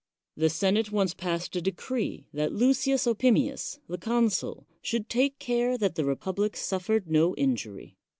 The senate once passed a decree that Lucii Opimius, the consul, should take care that th republic suffered no injury.